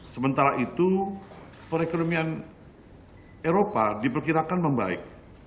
sementara itu perekonomian eropa diperkirakan membaik